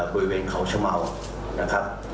บริเวณเขาชะเมานะครับ